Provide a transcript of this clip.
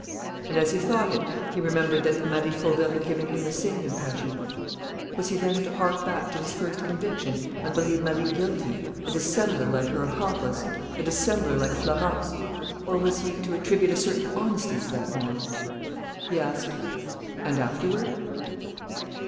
And as he thought it, he remembered that Marie Fauville had given him the same impression. Was he then to hark back to his first conviction and believe Marie guilty, a dissembler like her accomplice, a dissembler like Florence? Or was he to attribute a certain honesty to that man? He asked: "And afterward?"